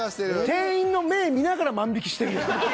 店員の目見ながら万引きしてるやん。